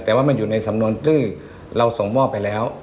แต่ว่ามันอยู่ในสำนวนที่เราส่งมอบไปแล้ว